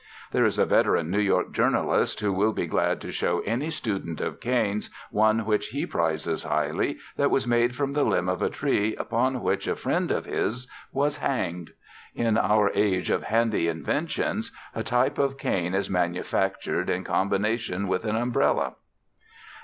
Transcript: There is a veteran New York journalist who will be glad to show any student of canes one which he prizes highly that was made from the limb of a tree upon which a friend of his was hanged. In our age of handy inventions a type of cane is manufactured in combination with an umbrella.